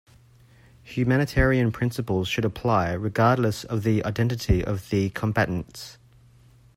Humanitarian principles should apply regardless of the identity of the combatants.